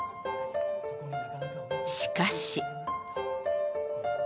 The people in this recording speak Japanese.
しかし。